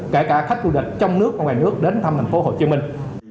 kể cả khách du lịch trong nước và ngoài nước đến thăm thành phố hồ chí minh